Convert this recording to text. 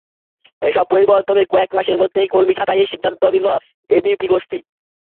এসব পরিবর্তনের কয়েক মাসের মধ্যেই কর্মী ছাঁটাইয়ের সিদ্ধান্ত নিল এবিপি গোষ্ঠী।